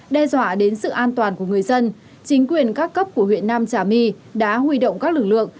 đe dọa đến sự an toàn của người dân chính quyền các cấp của huyện nam trà my đã huy động các lực lượng